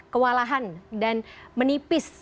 kewalahan dan menipis